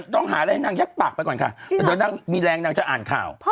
จริงเหรอ